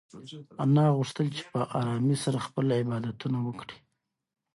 انا غوښتل چې په ارامۍ سره خپل عبادتونه وکړي.